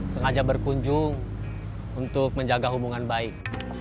sengaja berkunjung untuk menjaga hubungan baik